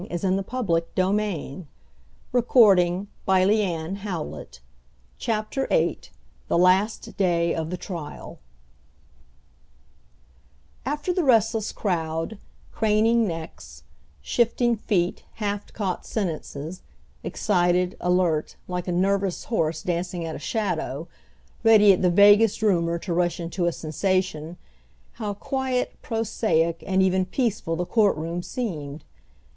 It was that last thought of all I could least endure. CHAPTER VIII THE LAST DAY OF THE TRIAL After the restless crowd craning necks; shifting feet, half caught sentences excited, alert, like a nervous horse dancing at a shadow, ready at the vaguest rumor to rush into a sensation, how quiet, prosaic, and even peaceful the court room seemed!